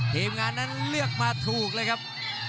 ทีมงานนั้นเลือกมาถูกเลยครับ